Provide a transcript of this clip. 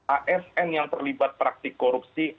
asn yang terlibat praktik korupsi